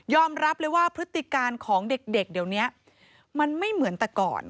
รับเลยว่าพฤติการของเด็กเดี๋ยวนี้มันไม่เหมือนแต่ก่อน